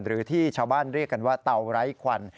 หรือที่ชาวบ้านเรียกกันว่าเตาไร้ควัน